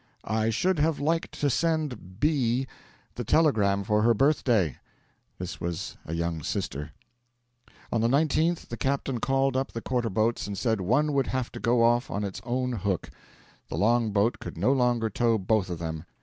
'I should have liked to send B the telegram for her birthday.' This was a young sister. On the 19th the captain called up the quarter boats and said one would have to go off on its own hook. The long boat could no longer tow both of them.